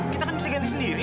kita kan bisa ganti sendiri